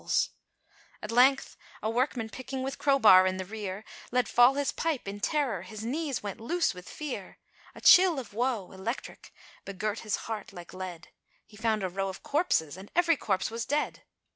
At length a workman picking with crowbar, in the rear, Let fall his pipe in terror, his knees went loose with fear, A chill of woe electric, begirt his heart, like lead, He found a row of corpses, and every corpse was dead!